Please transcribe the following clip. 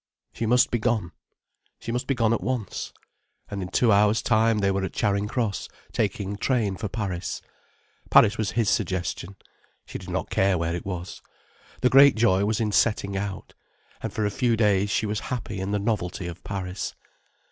She must be gone. She must be gone at once. And in two hours' time they were at Charing Cross taking train for Paris. Paris was his suggestion. She did not care where it was. The great joy was in setting out. And for a few days she was happy in the novelty of Paris.